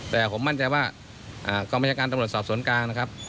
แต่ผมมั่นใจว่ากองบัญชาการตำรวจสอบสวนกลางนะครับ